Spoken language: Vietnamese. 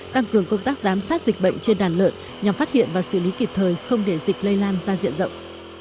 tăng cường công tác giám sát dịch bệnh trên đàn lợn nhằm phát hiện và xử lý kịp thời không để dịch lây lan ra diện rộng